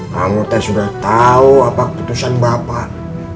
kamu teh sudah tahu apa keputusan bapak